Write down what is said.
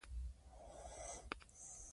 کارمل ویلي، افغانستان د انقلاب پر ضد مرکز نه شي.